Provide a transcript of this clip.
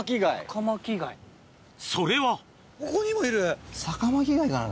それはここにもいる。